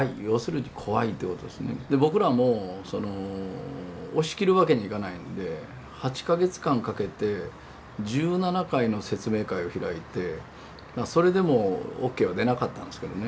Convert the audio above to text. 僕らも押し切るわけにいかないので８か月間かけて１７回の説明会を開いてそれでもＯＫは出なかったんですけどね。